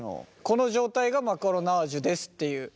この状態がマカロナージュですっていう。